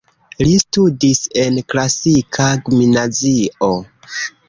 Li studis en klasika gimnazio.